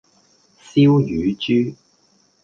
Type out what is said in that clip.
燒乳豬